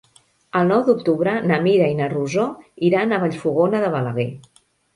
El nou d'octubre na Mira i na Rosó iran a Vallfogona de Balaguer.